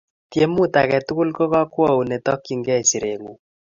Tiemut age tugul ko kakwout ne takchinikei serengung